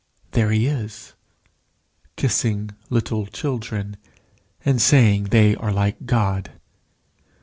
There he is, kissing little children and saying they are like God.